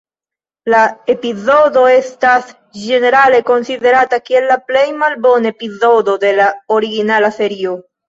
La epizodo estas ĝenerale konsiderata kiel la plej malbona epizodo de la originala serio.